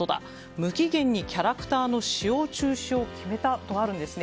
無期限にキャラクターの使用中止を決めたとあるんですね。